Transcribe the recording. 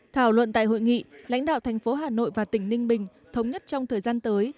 thảo luận tại hội nghị lãnh đạo thành phố hà nội và tỉnh ninh bình thống nhất trong thời gian tới